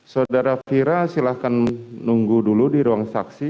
saudara fira silahkan nunggu dulu di ruang saksi